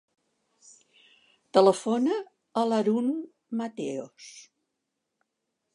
Telefona a l'Haroun Mateos.